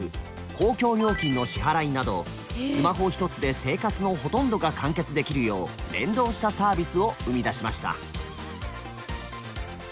公共料金の支払いなどスマホ一つで生活のほとんどが完結できるよう連動したサービスを生み出しました。